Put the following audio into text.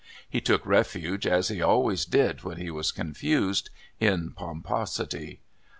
He took refuge, as he always did when he was confused, in pomposity.